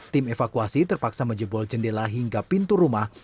tim evakuasi terpaksa menjebol jendela hingga pintu rumah